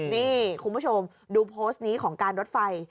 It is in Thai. นี่คุณผู้ชมดูโพสต์นี้ของการรถไฟ